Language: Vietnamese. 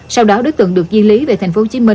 sau đó đối tượng được di lý về tp hcm